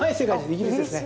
イギリスですね。